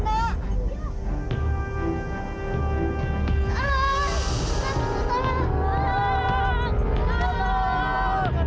tidak ngerti tuhan